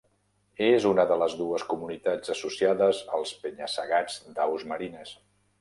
És una de les dues comunitats associades als penya-segats d'aus marines.